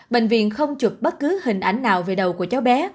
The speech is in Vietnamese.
bệnh viện không chụp bất cứ hình ảnh nào về đầu của cháu bé